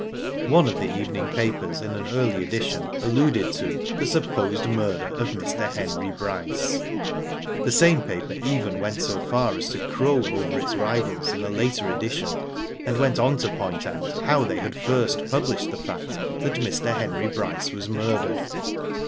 One of the evening papers, in an early edition, alluded to the " Supposed murder of Mr. Henry Bryce.'* The same paper even went so far as to crow over its rivals in a later edition, and went on to point out how they had first published the fact that Mr. Henry Bryce was murdered.